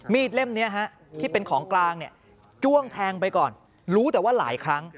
เล่มนี้ที่เป็นของกลางเนี่ยจ้วงแทงไปก่อนรู้แต่ว่าหลายครั้ง